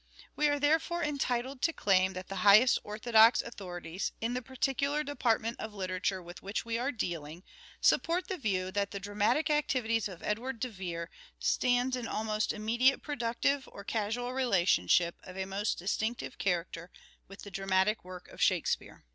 We are therefore entitled to claim that the highest orthodox authorities, in the particular department of literature with which we are dealing, support the view that the dramatic activities of Edward de Vere stands in almost immediate productive or causal relationship of a most distinctive character with the dramatic work of " Shakespeare."